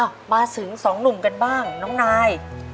มาถึงสองหนุ่มกันบ้างน้องนาย